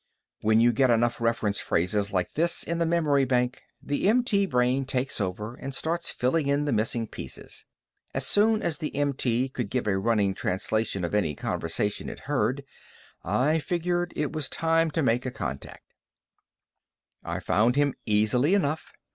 When you get enough reference phrases like this in the memory bank, the MT brain takes over and starts filling in the missing pieces. As soon as the MT could give a running translation of any conversation it heard, I figured it was time to make a contact. I found him easily enough.